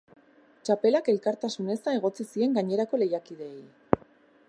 Txapelak elkartasun eza egotzi zien gainerako lehiakideei.